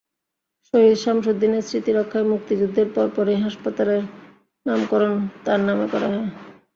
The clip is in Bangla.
শহীদ শামসুদ্দিনের স্মৃতি রক্ষায় মুক্তিযুদ্ধের পরপরই হাসপাতালের নামকরণ তাঁর নামে করা হয়।